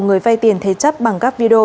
người vay tiền thế chấp bằng các video